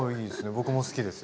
僕も好きですよ